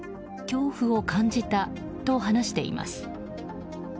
恐怖を感じたと話しています。